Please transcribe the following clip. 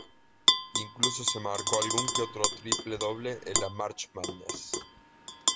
Incluso se marcó algún que otro triple doble en la March Madness.